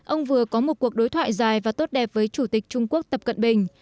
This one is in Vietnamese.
ông vừa có một cuộc đối thoại dài và tốt đẹp với chủ tịch trung quốc tập cận bình